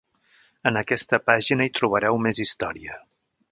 En aquesta pàgina hi trobareu més història.